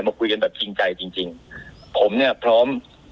มาคุยกันแบบจริงใจจริงจริงผมเนี่ยพร้อม